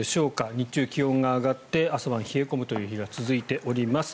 日中、気温が上がって朝晩冷え込む日が続いています。